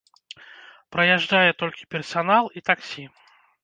Праязджае толькі персанал і таксі.